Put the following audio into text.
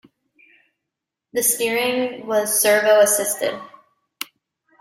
The steering was servo-assisted.